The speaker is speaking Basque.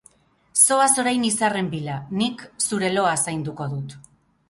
Zoaz orain izarren bila, nik zure loa zainduko dut.